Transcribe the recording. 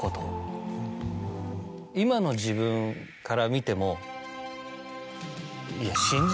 今の自分から見ても。